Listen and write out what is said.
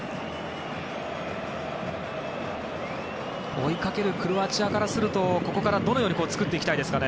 追いかけるクロアチアからするとここから、どのように作っていきたいですかね。